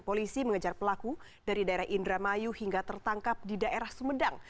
polisi mengejar pelaku dari daerah indramayu hingga tertangkap di daerah sumedang